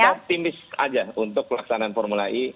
jadi kita optimis aja untuk pelaksanaan formula e